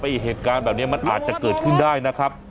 เหตุการณ์แบบนี้มันอาจจะเกิดขึ้นได้นะครับ